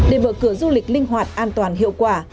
để mở cửa du lịch linh hoạt an toàn hiệu quả